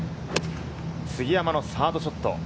杉山のサードショット。